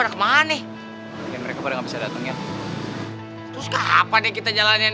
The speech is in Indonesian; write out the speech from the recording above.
sampai jumpa di video selanjutnya